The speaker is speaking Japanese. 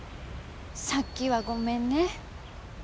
さっきはごめんね。